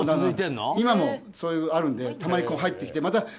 今もそういうのがあるのでたまに入ってきて。